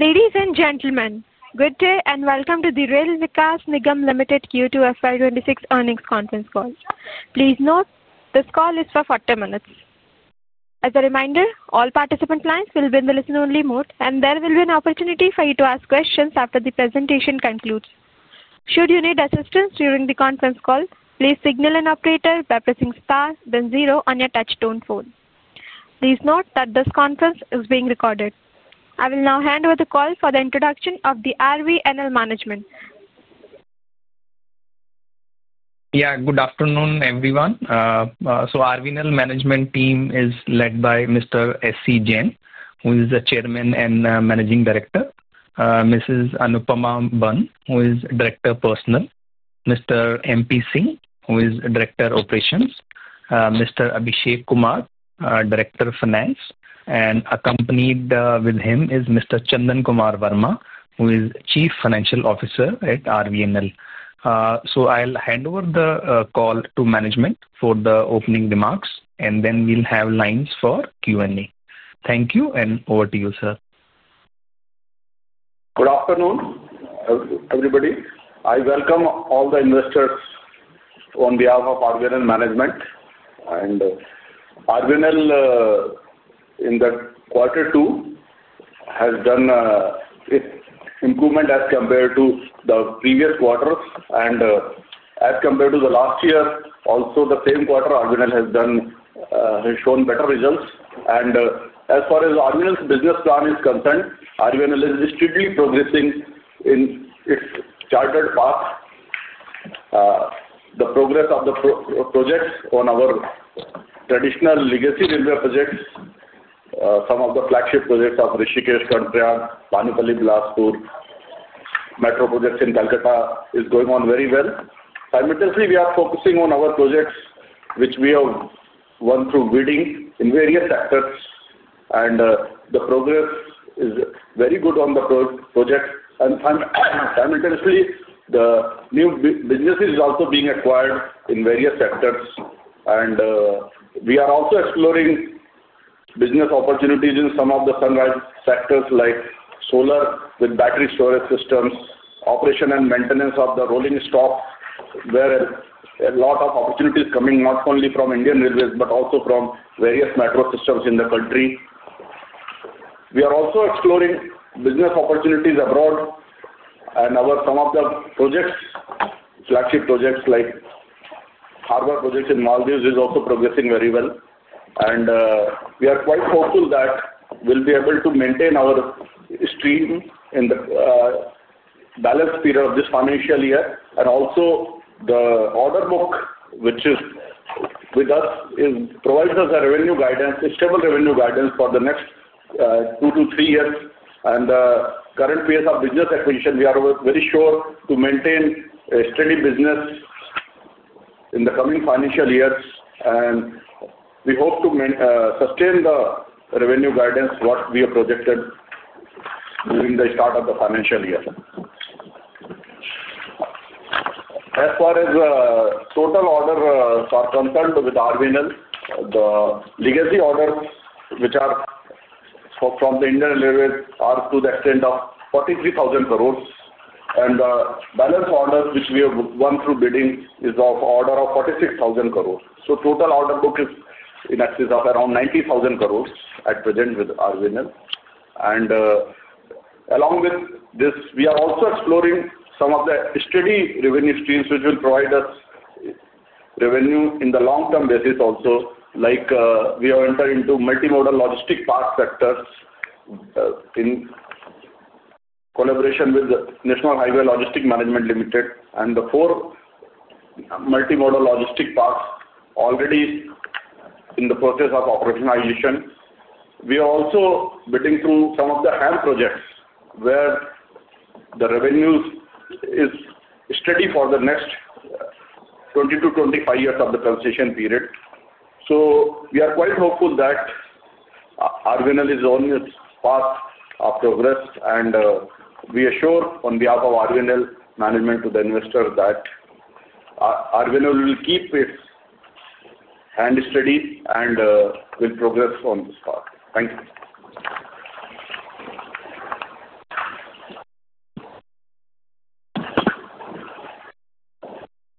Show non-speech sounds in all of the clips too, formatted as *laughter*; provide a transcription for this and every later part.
Ladies and gentlemen, good day and welcome to the Rail Vikas Nigam Limited Q2 FY 2026 Earnings Conference Call. Please note, this call is for 40 minutes. As a reminder, all participant lines will be in a listen-only mode, and there will be an opportunity for you to ask questions after the presentation concludes. Should you need assistance during the conference call, please signal an operator by pressing star, then zero on your touch-tone phone. Please note that this conference is being recorded. I will now hand over the call for the introduction of the RVNL management. Yeah, good afternoon, everyone. RVNL management team is led by Mr. S.C. Jain, who is the Chairman and Managing Director, Mrs. Anupam Ban, who is Director Personnel, Mr. M.P. Singh, who is Director Operations, Mr. Abhishek Kumar, Director Finance, and accompanied with him is Mr. Chandan Kumar Varma, who is Chief Financial Officer at RVNL. I'll hand over the call to management for the opening remarks, and then we'll have lines for Q&A. Thank you, and over to you, sir. Good afternoon, everybody. I welcome all the investors on behalf of RVNL management. RVNL, in the quarter two, has done improvement as compared to the previous quarters. As compared to the last year, also the same quarter, RVNL has shown better results. As far as RVNL's business plan is concerned, RVNL is steadily progressing in its chartered path. The progress of the projects on our traditional legacy railway projects, some of the flagship projects of Rishikesh, Karnaprayag, Pamban, Bilaspur, metro projects in Kolkata is going on very well. Simultaneously, we are focusing on our projects which we have won through bidding in various sectors. The progress is very good on the projects. Simultaneously, the new businesses are also being acquired in various sectors. We are also exploring business opportunities in some of the sunrise sectors like solar with battery storage systems, operation and maintenance of the rolling stock, where a lot of opportunities are coming not only from Indian Railways, but also from various metro systems in the country. We are also exploring business opportunities abroad. Some of the flagship projects like harbor projects in Maldives are also progressing very well. We are quite hopeful that we will be able to maintain our stream in the balance period of this financial year. Also, the order book which is with us, is provides us a stable revenue guidance for the next two to three years. At the current pace of business acquisition, we are very sure to maintain a steady business in the coming financial years. We hope to sustain the revenue guidance, what we have projected during the start of the financial year. As far as total orders are concerned with RVNL, the legacy orders which are from the Indian Railways are to the extent of 43,000 crores. The balance orders which we have won through bidding are of an order of 46,000 crores. The total order book is in excess of around 90,000 crores at present with RVNL. Along with this, we are also exploring some of the steady revenue streams which will provide us revenue on a long-term basis also. Like we have entered into multimodal logistic park sectors in collaboration with the National Highways Logistic Management Limited. The four multimodal logistic parks are already in the process of operationalization. We are also bidding through some of the HAM projects, where the revenue is steady for the next 20-25 years of the transition period. We are quite hopeful that RVNL is on its path of progress. We assure on behalf of RVNL management to the investors that RVNL will keep its hands steady and will progress on this path. Thank you.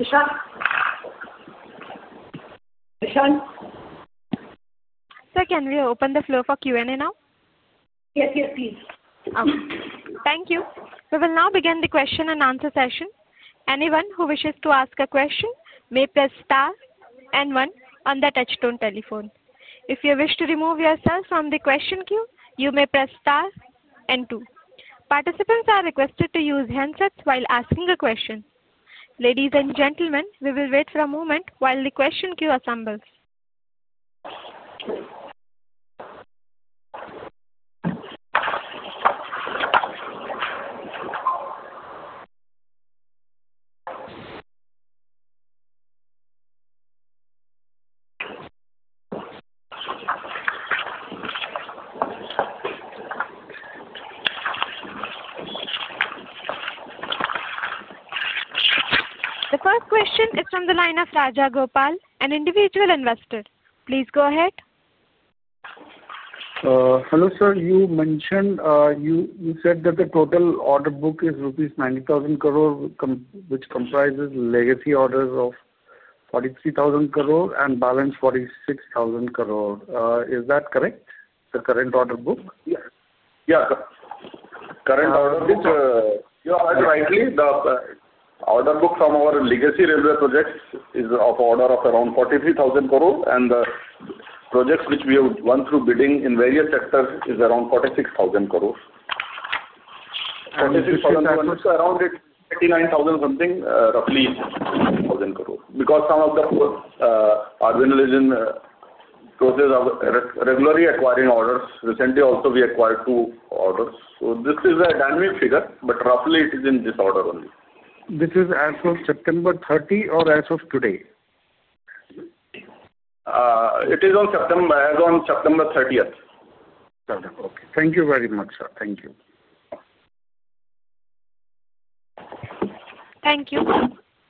Nishant, Nishant? Can we open the floor for Q&A now? Yes, please. Thank you. We will now begin the question-and-answer session. Anyone who wishes to ask a question may press star and one on their touch-tone telephone. If you wish to remove yourself from the question queue, you may press star and two. Participants are requested to use handsets while asking a question. Ladies and gentlemen, we will wait for a moment while the question queue assembles. The first question is from the line of Raja Gopal, an individual investor. Please go ahead. Hello, sir. You said that the total order book is rupees 90,000 crores, which comprises legacy orders of 43,000 crore and balance 46,000 crore. Is that correct, the current order book? Yeah. Current order book? You heard rightly. The order book from our legacy railway projects is of order of around 43,000 crore. The projects which we have won through bidding in various sectors is around 46,000 crores. *crosstalk* around 89,000 something, roughly *crosstalk* crore. Some of the RVNL is in process of regularly acquiring orders. Recently also, we acquired two orders. This is a dynamic figure, but roughly it is in this order only. This is as of September 30 or as of today? It is on September 30th. Okay. Thank you very much, sir. Thank you. Thank you.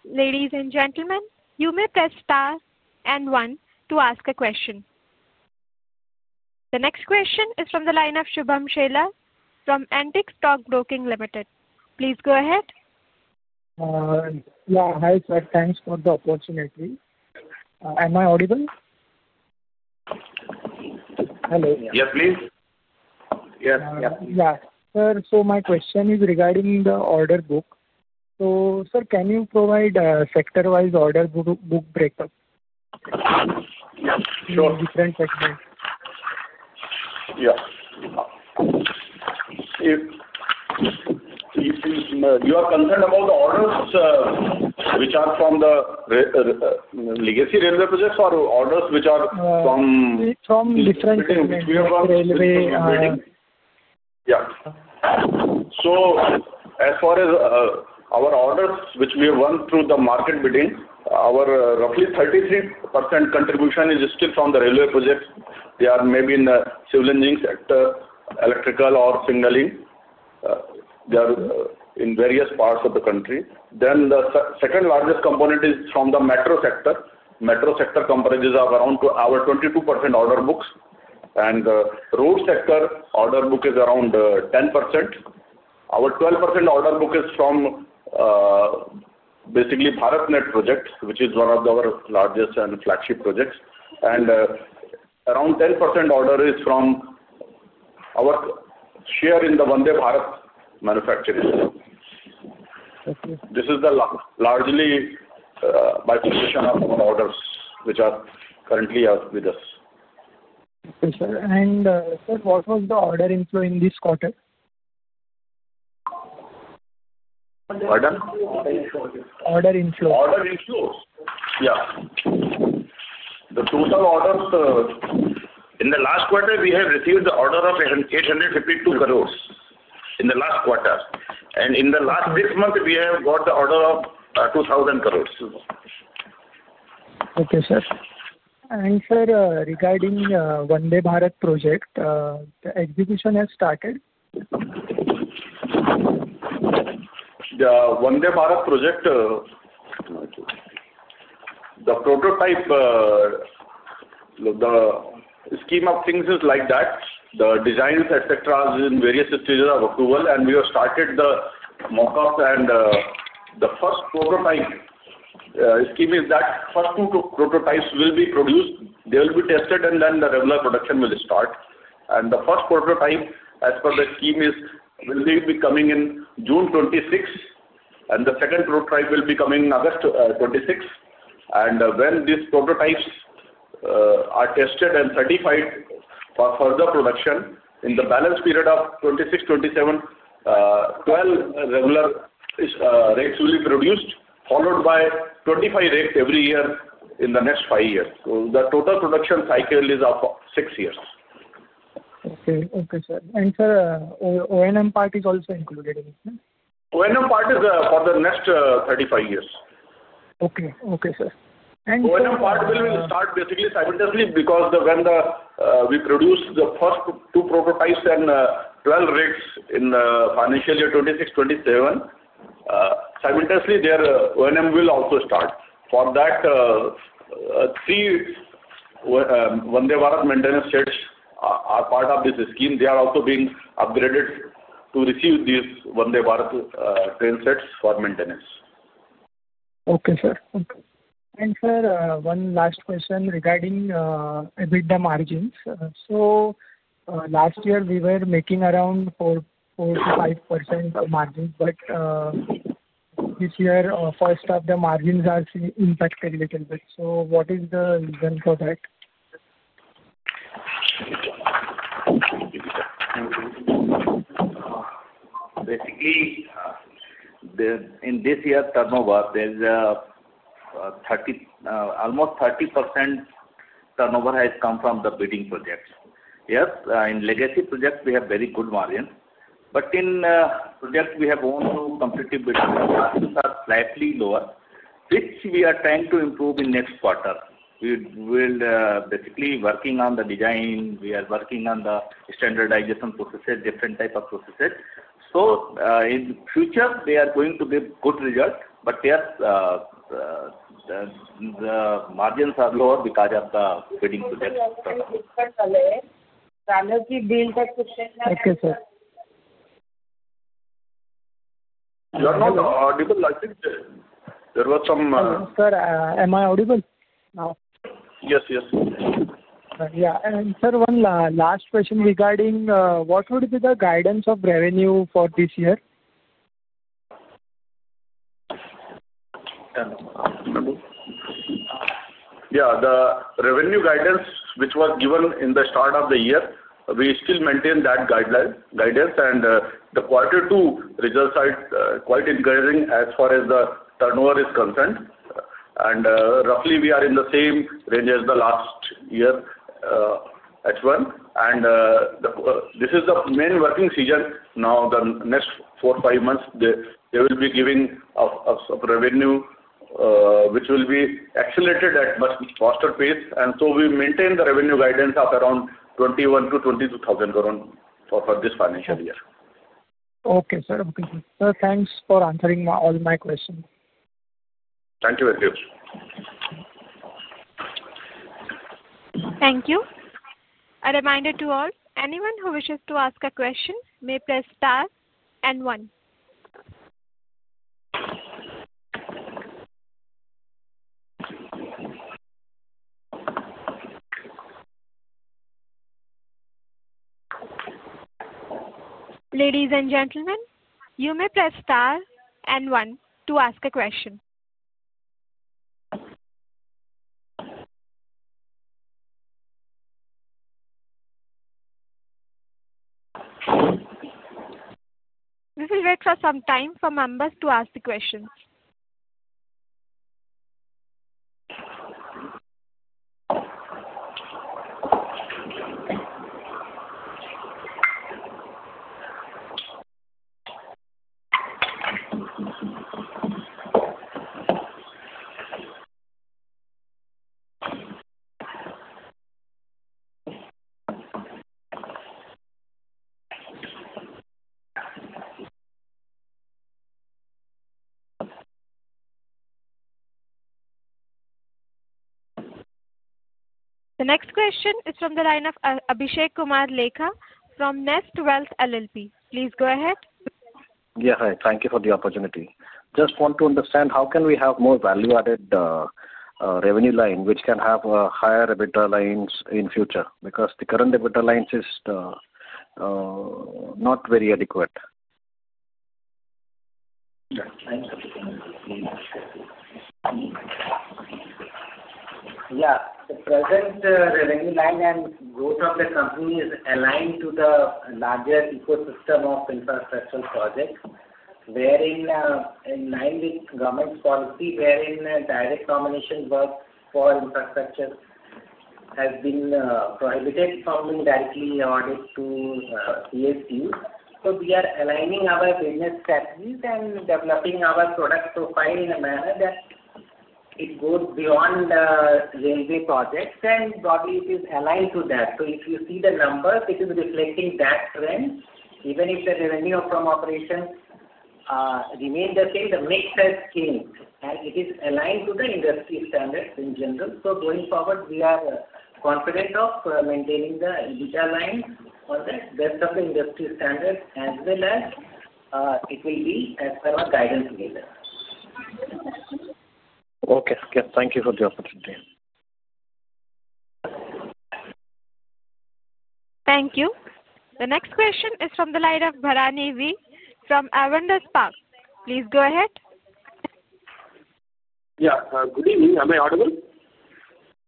Ladies and gentlemen, you may press star and one to ask a question. The next question is from the line of Shubham Shelar from Antique Stock Broking Limited. Please go ahead. Yeah. Hi, sir. Thanks for the opportunity. Am I audible? Hello. Yeah, please. Yeah. Yeah. Sir, so my question is regarding the order book. Sir, can you provide a sector-wise order book breakup? Sure. Different segments. *crosstalk* Yeah. You are concerned about the orders which are from the legacy railway projects or orders which are from? *crosstalk* *crosstalk* from different railway? Yeah. As far as our orders which we have won through the market bidding, our roughly 33% contribution is still from the railway projects. They are maybe in the civil engineering sector, electrical or signaling. They are in various parts of the country. The second largest component is from the metro sector. Metro sector comprises of around our 22% order books. The road sector order book is around 10%. Our 12% order book is from basically the BharatNet project, which is one of our largest and flagship projects. Around 10% order is from our share in the Vande Bharat manufacturing. This is largely by [submission] of orders which are currently with us. Okay, sir. Sir, what was the order inflow in this quarter? Order? Order inflow. Order inflow? Yeah. The total orders in the last quarter, we have received the order of 852 crores in the last quarter. In the last six months, we have got the order of 2,000 crores. Okay, sir. Sir, regarding Vande Bharat project, the execution has started? The Vande Bharat project, the prototype, the scheme of things is like that. The designs, etc., is in various stages of approval. We have started the mock-up. The first prototype, the scheme is that first two prototypes will be produced. They will be tested, and then the regular production will start. The first prototype, as per the scheme, will be coming in June 26th. The second prototype will be coming August 26th. When these prototypes are tested and certified for further production in the balance period of 2026-2027, 12 regular rigs will be produced, followed by 25 rigs every year in the next five years. The total production cycle is of six years. Okay, sir. Sir, O&M part is also included in this? O&M part is for the next 35 years. Okay, sir. *crosstalk* O&M part will start basically simultaneously because when we produce the first two prototypes and 12 rigs in the financial year 2026-2027, simultaneously, their O&M will also start. For that, three Vande Bharat maintenance sets are part of this scheme. They are also being upgraded to receive these Vande Bharat train sets for maintenance. Okay, sir. Sir, one last question regarding the margins. Last year, we were making around 4%-5% margins. This year, first, the margins are impacted a little bit. What is the reason for that? Basically, in this year's turnover, almost 30% turnover has come from the bidding projects. Yes, in legacy projects, we have very good margins. In projects we have owned through competitive bidding, the margins are slightly lower, which we are trying to improve in next quarter. We will basically be working on the design. We are working on the standardization processes, different types of processes. In the future, they are going to give good results. Yes, the margins are lower because of the bidding projects. *crosstalk* *crosstalk* Okay, sir. You are not audible. Sir, am I audible now? Yes. Yeah. Sir, one last question regarding, what would be the guidance of revenue for this year? Yeah. The revenue guidance, which was given in the start of the year, we still maintain that guidance. The quarter two results are quite encouraging as far as the turnover is concerned. Roughly, we are in the same range as the last year, H1. This is the main working season. Now, the next four-five months, they will be giving revenue, which will be accelerated at much faster pace. We maintain the revenue guidance of around 21,000-22,000 crore for this financial year. Okay, sir. Sir, thanks for answering all my questions. Thank you. Thank you. A reminder to all, anyone who wishes to ask a question may press star and one. Ladies and gentlemen, you may press star and one to ask a question. We will wait for some time for members to ask the questions. The next question is from the line of Abhishek Kumar Leekha from Nest Wealth LLP. Please go ahead. *crosstalk* Yeah. Hi. Thank you for the opportunity. Just want to understand, how can we have more value-added revenue line which can have higher EBITDA lines in future? The current EBITDA lines are not very adequate. *crosstalk* Yeah. The present revenue line and growth of the company is aligned to the larger ecosystem of infrastructure projects, wherein in line with government's policy, wherein direct nomination work for infrastructure has been prohibited from being directly allotted to PSU. We are aligning our business strategies and developing our product profile in a manner that it goes beyond railway projects. Broadly, it is aligned to that. If you see the numbers, it is reflecting that trend. Even if the revenue from operations remained the same, the mix has changed. It is aligned to the industry standards in general. Going forward, we are confident of maintaining the EBITDA line on the best of the industry standards, as well as it will be as per our guidance later. Okay. Thank you for the opportunity. Thank you. The next question is from the line of Bharani V. from Avendus Spark. Please go ahead. Yeah, good evening. Am I audible?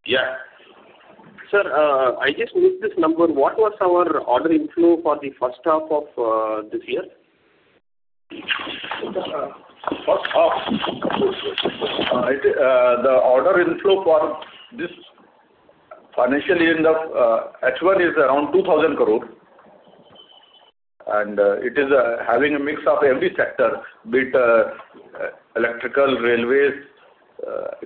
Yes. Sir, I just missed this number. What was our order inflow for the first half of this year? *crosstalk* The order inflow for this financial year in the H1 is around 2,000 crore. It is having a mix of every sector, be it electrical, railways,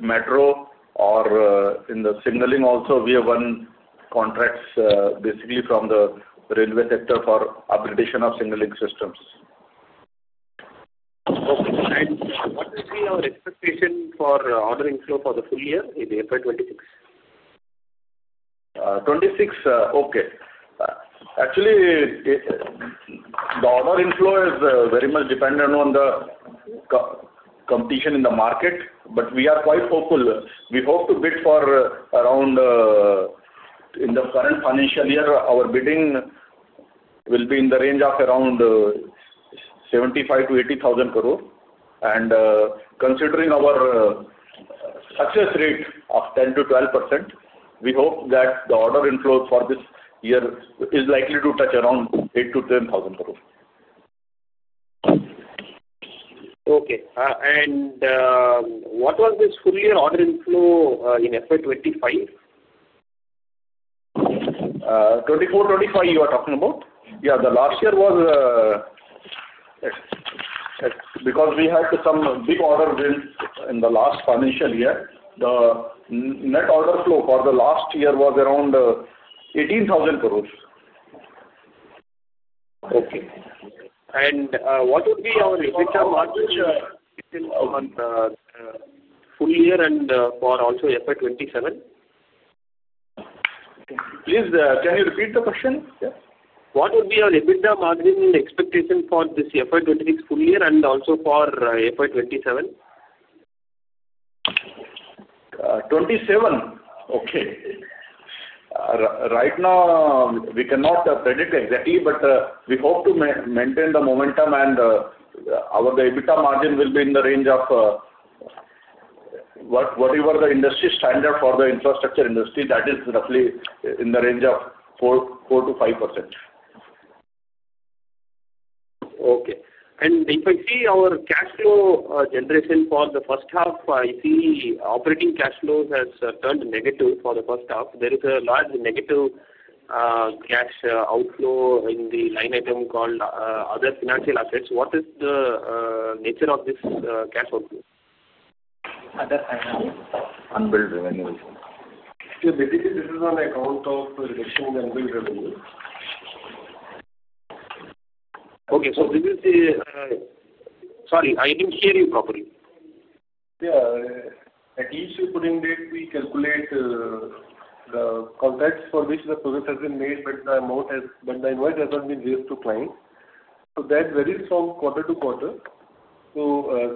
metro or in the signaling. Also, we have won contracts basically from the railway sector for upgradation of signaling systems. What is our expectation for order inflow for the full year in April 2026? 2026, okay. Actually, the order inflow is very much dependent on the competition in the market. We are quite hopeful. In the current financial year, our bidding will be in the range of around 75,000 crore-80,000 crore. Considering our success rate of 10%-12%, we hope that the order inflow for this year is likely to touch around 8,000 crore-10,000 crore. Okay. What was this full year order inflow in April 2025? 2024-2025, you are talking about? Yeah, the last year, because we had some big order builds in the last financial year, the net order flow for the last year was around INR 18,000 crores. Okay. What would be our EBITDA margin on full year and for also FY 2027? Please, can you repeat the question? What would be our EBITDA margin expectation for this FY 2026 full year and also for FY 2027? 2027, okay. Right now, we cannot predict exactly, but we hope to maintain the momentum. Our EBITDA margin will be in the range of whatever the industry standard for the infrastructure industry, that is roughly in the range of 4%-5%. Okay. If I see our cash flow generation for the first half, I see operating cash flow has turned negative for the first half. There is a large negative cash outflow in the line item called other financial assets. What is the nature of this cash outflow? *crosstalk* Yeah. Basically, this is on account of reduction in unbilled revenue. Okay. Sorry, I didn't hear you properly. Yeah. At each reporting date, we calculate the contracts for which the project has been made, but the [amount invoiced] has not been raised to clients. That varies from quarter to quarter.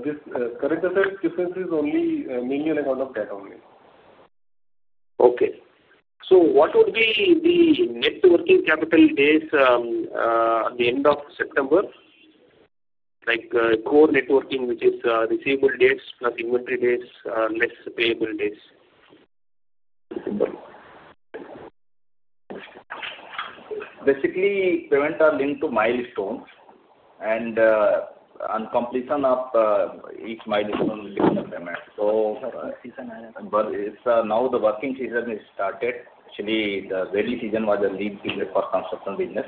This current asset difference is only mainly on account of debt only. Okay. What would be the net working capital days at the end of September? Like core networking, which is receivable days plus inventory days less payable days? Basically, payments are linked to milestones. On completion of each milestone, we begin the payment. *crosstalk* Now the working season has started. Actually, the early season was a lean season for construction business.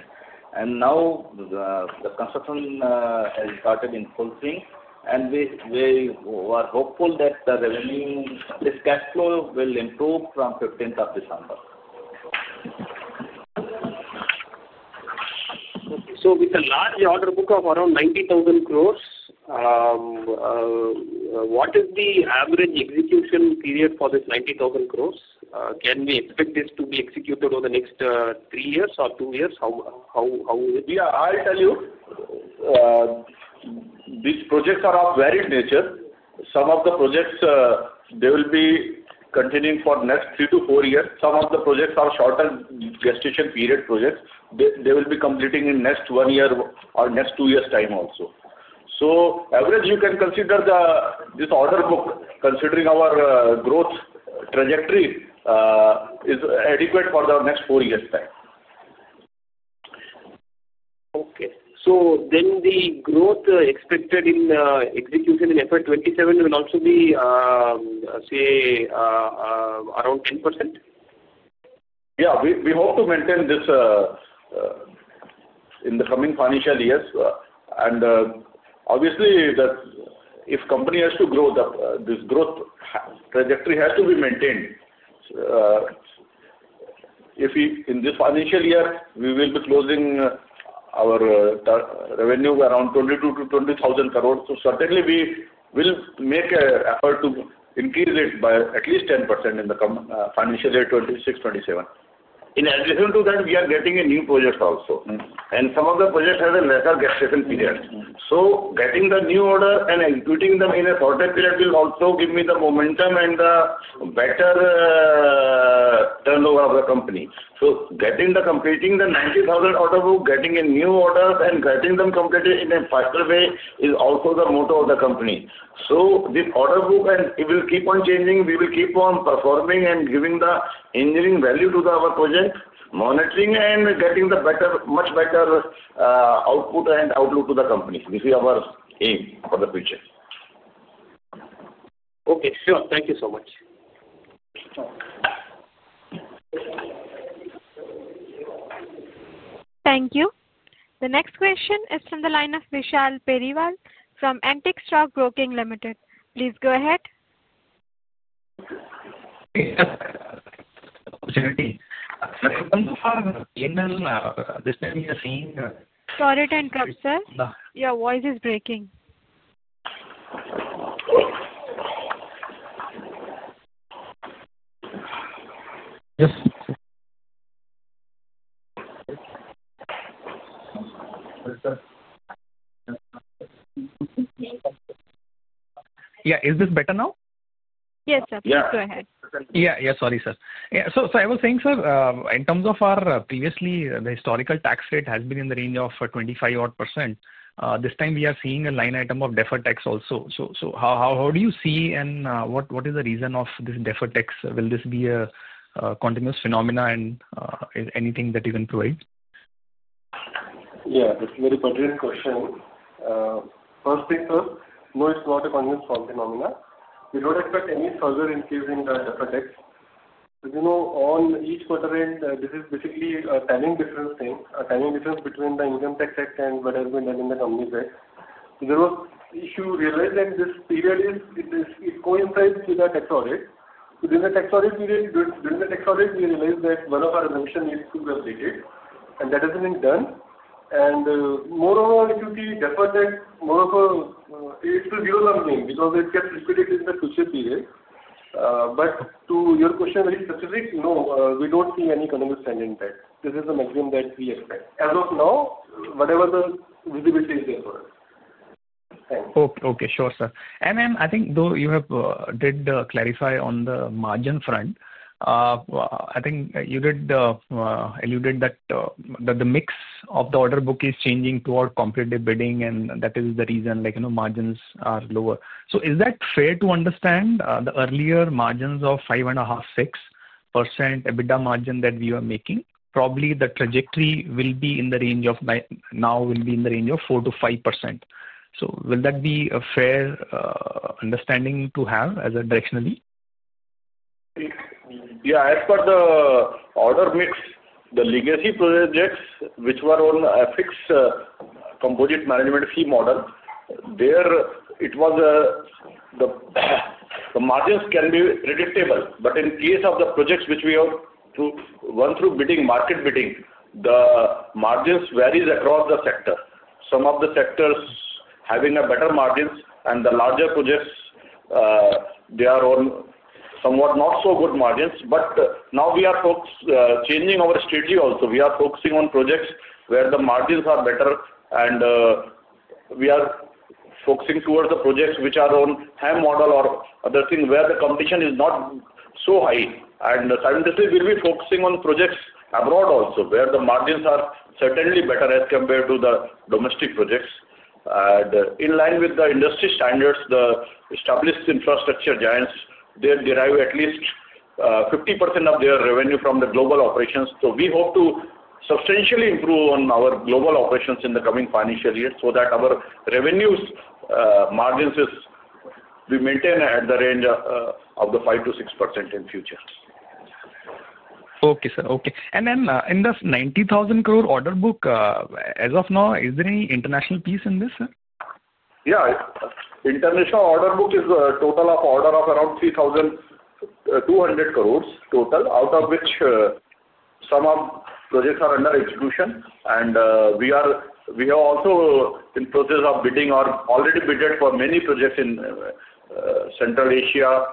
Now the construction has started in full swing. We were hopeful that the revenue, this cash flow, will improve from 15th of December. Okay. With a large order book of around 90,000 crores, what is the average execution period for this 90,000 crores? Can we expect this to be executed over the next three years or two years? How is it? Yeah. I'll tell you, these projects are of varied nature. Some of the projects, they will be continuing for the next three to four years. Some of the projects are shorter gestation period projects. They will be completing in next one year or next two years' time also. On average, you can consider this order book, considering our growth trajectory is adequate for the next four years' time. Okay. The growth expected in execution in FY 2027 will also be, say, around 10%? Yeah. We hope to maintain this in the coming financial years. Obviously, if the company has to grow, this growth trajectory has to be maintained. In this financial year, we will be closing our revenue at around 20,000 crore-22,000 crore. Certainly, we will make an effort to increase it by at least 10% in the financial year 2026-2027. In addition to that, we are getting new projects also. Some of the projects have a lesser gestation period. Getting the new order and executing them in a shorter period will also give me the momentum, and the better turnover of the company. Getting the 90,000 crore order book, getting new orders, and getting them completed in a faster way is also the motto of the company. This order book will keep on changing. We will keep on performing and giving the engineering value to our projects, monitoring and getting much better output and outlook to the company. This is our aim for the future. Okay, sure. Thank you so much. Thank you. The next question is from the line of Vishal Periwal from Antique Stock Broking Limited. Please go ahead. *crosstalk* opportunity. In this time, we are seeing. *crosstalk* Sorry to interrupt, sir. Your voice is breaking. *crosstalk* Yeah. Is this better now? Yes, sir. Please go ahead. Yeah. *crosstalk* Yeah. Sorry, sir. I was saying, sir, in terms of previously, the historical tax rate has been in the range of 25-odd percent. This time, we are seeing a line item of deferred tax also. How do you see and what is the reason of this deferred tax? Will this be a continuous phenomena, and is there anything that you can provide? Yeah, that's a very pertinent question. First thing, sir, no, it's not a continuous phenomenon. We don't expect any further increase in the deferred tax. As you know, on each quarter end, this is basically a timing difference thing, a timing difference between the Income Tax Act and what has been done in the. *crosstalk* There was an issue realized that this period coincides with the tax audit. During the tax audit, we realized that one of our exemptions needs to be updated. That hasn't been done. Moreover, if you see deferred tax, moreover, it will be all [unknown] because it gets liquidated in the future period. To your question, very specific, no, we don't see any continuous trend in that. This is the maximum that we expect. As of now, whatever the visibility is there for us. Thanks. Okay. Sure, sir. I think though, you did clarify on the margin front. I think you did allude that the mix of the order book is changing toward competitive bidding, and that is the reason margins are lower. Is that fair to understand the earlier margins of 5.5%-6% EBITDA margin that we are making? Probably the trajectory will be in the range of now 4%-5%. Will that be a fair understanding to have directionally? Yeah. As per the order mix, the legacy projects which were on the FX composite management fee model, the margins can be predictable. In case of the projects which we have gone through market bidding, the margins vary across the sector. Some of the sectors having better margins and the larger projects, they are on somewhat not-so-good margins. Now we are changing our strategy also. We are focusing on projects where the margins are better, and we are focusing towards the projects which are on HAM model or other things where the competition is not so high. Simultaneously, we'll be focusing on projects abroad also, where the margins are certainly better as compared to the domestic projects. In line with the industry standards, the established infrastructure giants, they derive at least 50% of their revenue from the global operations. We hope to substantially improve on our global operations in the coming financial year, so that our revenue margins, we maintain at the range of 5%-6% in future. Okay, sir. Okay, in this 90,000 crore order book, as of now, is there any international piece in this, sir? Yeah. International order book is a total of order of around 3,200 crores total, out of which some projects are under execution. We are also in the process of bidding or already bidded for many projects in Central Asia,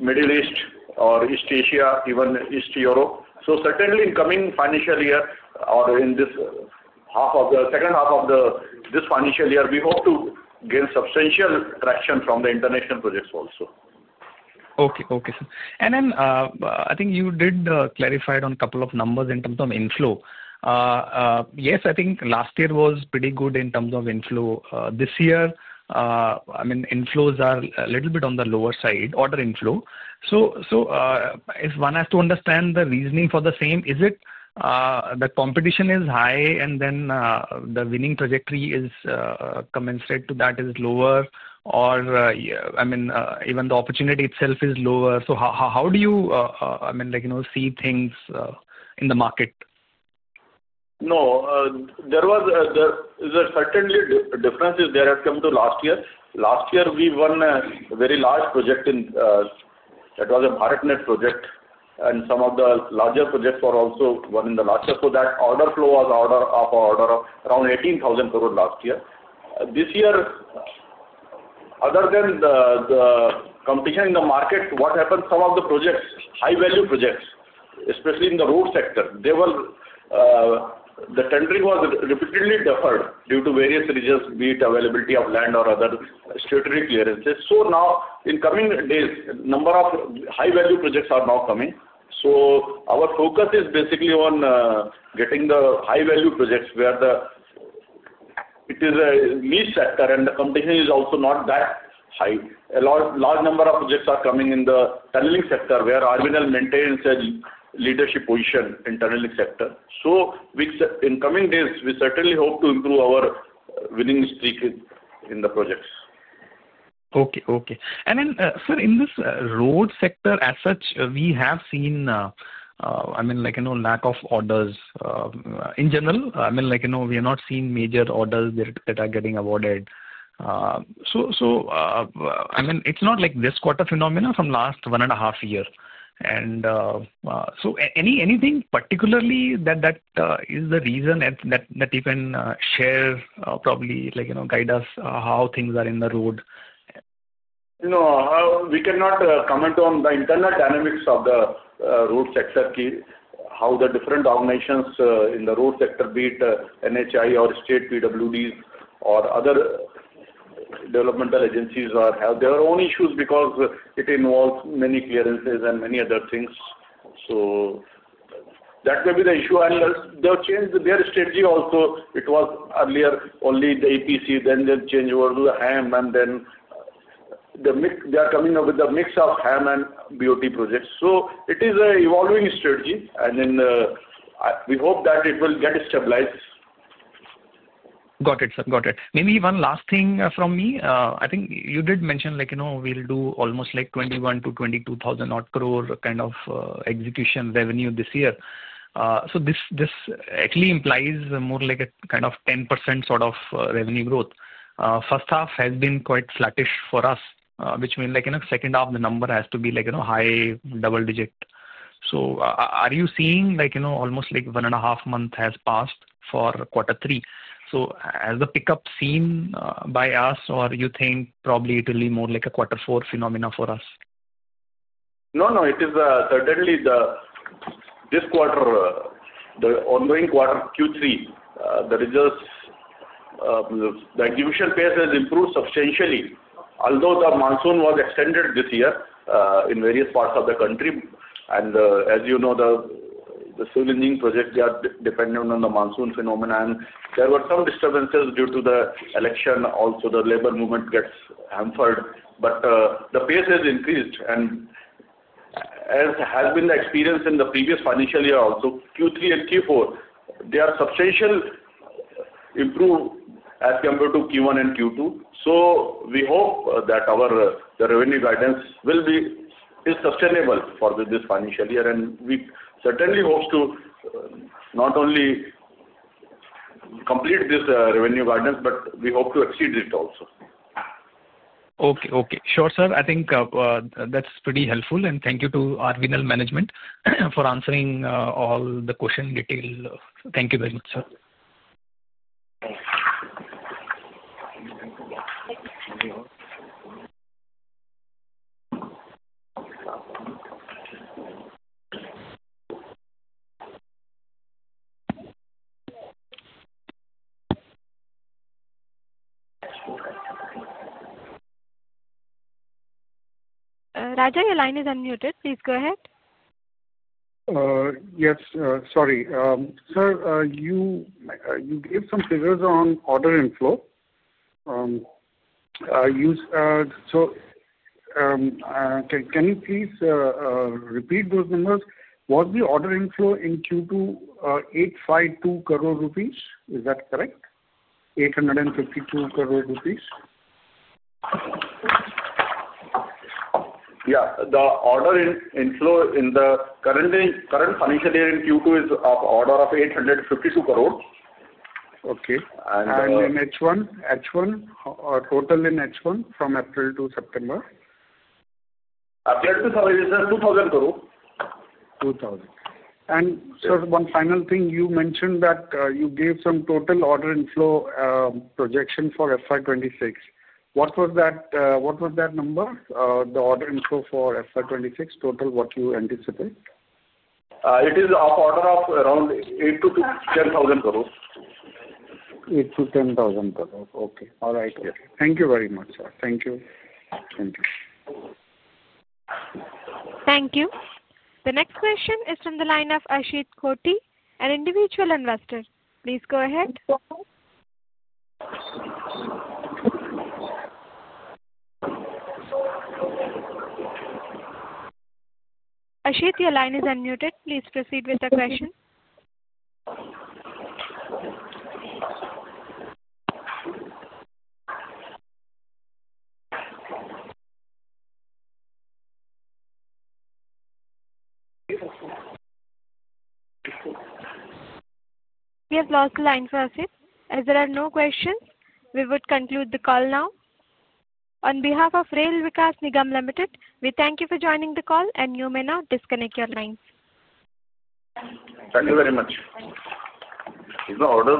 Middle East or East Asia, even East Europe. Certainly, in coming financial year or in this second half of this financial year, we hope to gain substantial traction from the international projects also. Okay, sir. I think you did clarify on a couple of numbers in terms of inflow. Yes, I think last year was pretty good in terms of inflow. This year, I mean, inflows are a little bit on the lower side, order inflow. If one has to understand the reasoning for the same, is it the competition is high and then the winning trajectory is commensurate to that is lower, or I mean, even the opportunity itself is lower? How do you see things in the market? No. There is a certain difference that has come to last year. Last year, we won a very large project that was a BharatNet project. Some of the larger projects were also won in the last year. That order flow was of around 18,000 crores last year. This year, other than the competition in the market, what happened, some of the high-value projects, especially in the road sector, the tendering was repeatedly deferred due to various reasons, be it availability of land or other statutory clearances. In coming days, a number of high-value projects are now coming. Our focus is basically on getting the high-value projects where it is a niche sector, and the competition is also not that high. A large number of projects are coming in the tunneling sector, where RVNL maintains a leadership position in the tunneling sector. In coming days, we certainly hope to improve our winning streak in the projects. Okay, then sir, in this road sector as such, we have seen lack of orders. In general, I mean, we have not seen major orders that are getting awarded. I mean, it is not like this quarter-phenomena from last one and a half year. Anything particularly that is the reason that you can share, probably guide us how things are in the road? No. We cannot comment on the internal dynamics of the road sector, how the different organizations in the road sector, be it NHAI or state PWDs, or other developmental agencies have their own issues because it involves many clearances and many other things. That may be the issue, Vishal. They have changed their strategy also. It was earlier only the EPC, then they changed over to HAM and then they are coming up with a mix of HAM and BOT projects. It is an evolving strategy, and we hope that it will get stabilized. Got it, sir. Maybe one last thing from me. I think you did mention we'll do almost 21,000 crores-22,000 crore kind of execution revenue this year. This actually implies more like a kind of 10% sort of revenue growth. First half has been quite flattish for us, which means, second half, the number has to be high double digit. Are you seeing almost one and a half months has passed for quarter three? Has the pickup been seen by us or you think probably it will be more like a quarter four phenomena for us? NO. It is certainly, this quarter, the ongoing quarter Q3, the execution pace has improved substantially, although the monsoon was extended this year in various parts of the country. As you know, the civil engineering projects, they are dependent on the monsoon phenomena. There were some disturbances due to the election. Also, the labor movement gets hampered. The pace has increased. As has been the experience in the previous financial year also, Q3 and Q4, they have substantially improved as compared to Q1 and Q2. We hope that the revenue guidance will be sustainable for this financial year. We certainly hope to not only complete this revenue guidance, but we hope to exceed it also. Okay. Sure, sir. I think that's pretty helpful. Thank you to RVNL management for answering all the questions in detail. Thank you very much, sir. *crosstalk* Sir, your line is unmuted. Please go ahead. Yes, sorry. Sir, you gave some figures on order inflow. Can you please repeat those numbers? Was the order inflow in Q2 852 crore rupees? Is that correct, 852 crore rupees? Yeah. The order inflow in the current financial year in Q2 is of order of 852 crores. Okay, and total in H1 from April to September? April to February is INR 2,000 crores. 2,000. Sir, one final thing. You mentioned that you gave some total order inflow projection for FY 2026. What was that number, the order inflow for FY 2026 total? What do you anticipate? It is of order of around 8,000 crores-10,000 crores. 8,000 crores-10,000 crores, okay. All right, thank you very much, sir. Thank you. Thank you. The next question is from the line of Ashit Kothi, an individual investor. Please go ahead. Ashit, your line is unmuted. Please proceed with the question. *crosstalk* We have lost the line for Ashit. As there are no questions, we would conclude the call now. On behalf of Rail Vikas Nigam Limited, we thank you for joining the call and you may now disconnect your lines. Thank you very much.